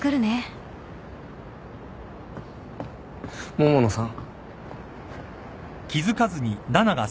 桃野さん。